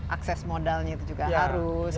akses modalnya itu juga harus